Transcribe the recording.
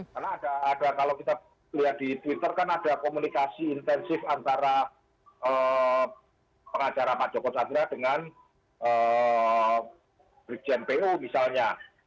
karena ada kalau kita lihat di twitter kan ada komunikasi intensif antara pengacara pak joko tadra dengan brik jmpo misalnya